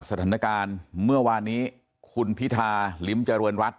สถานการณ์เมื่อวานนี้คุณพิธาลิ้มเจริญรัฐ